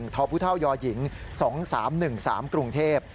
๑ทพุท่ายหญิง๒๓๑๓กรุงเทพฯ